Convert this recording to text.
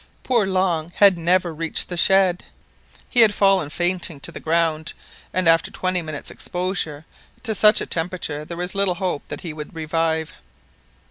Poor Long had never reached the shed. He had fallen fainting to the ground, and after twenty minutes' exposure to such a temperature there was little hope that he would revive.